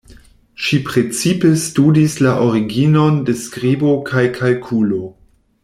Ŝi precipe studis la originon de skribo kaj kalkulo.